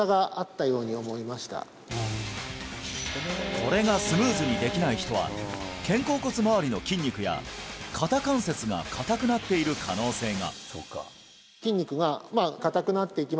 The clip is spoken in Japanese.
これがスムーズにできない人は肩甲骨まわりの筋肉や肩関節が硬くなっている可能性が！